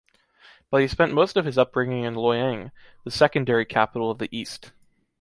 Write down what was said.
But he spent most of his upbringing in Loyang, the secondary capital of the East.